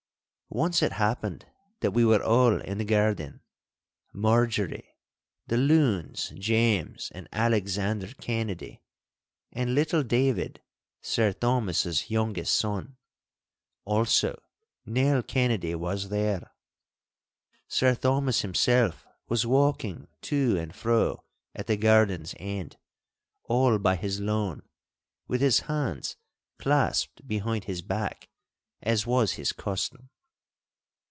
Once it happened that we were all in the garden—Marjorie, the loons James and Alexander Kennedy, and little David, Sir Thomas's youngest son. Also Nell Kennedy was there. Sir Thomas himself was walking to and fro at the garden's end, all by his lone, with his hands clasped behind his back, as was his custom.